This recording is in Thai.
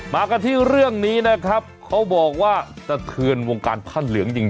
มากันที่เรื่องนี้นะครับเขาบอกว่าสะเทือนวงการผ้าเหลืองจริง